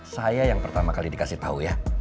saya yang pertama kali dikasih tahu ya